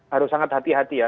harus sangat hati hati ya